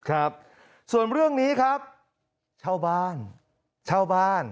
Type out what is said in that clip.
ครับส่วนเรื่องนี้ครับเช่าบ้านเช่าบ้าน